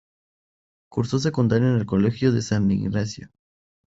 Cursó secundaria en el colegio San Ignacio.